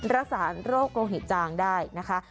รักษาโรคโลหิตจางได้นะคะ